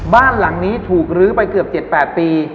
บ้านหลังนี้ถูกลื้อไปเกือบ๗๘ปี